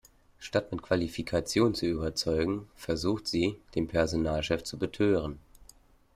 Statt mit Qualifikation zu überzeugen, versucht sie, den Personalchef zu betören.